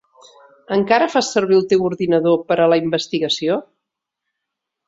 Encara fas servir el teu ordinador per a la investigació?